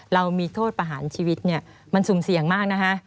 เรามีโทษประหารชีวิตมันสูงเสี่ยงมากนะฮะ